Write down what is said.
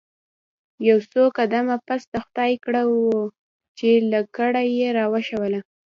یو څو قدمه پس د خدای کړه وو چې لکړه یې راوښوروله.